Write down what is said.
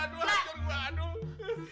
aduh hancur gue aduh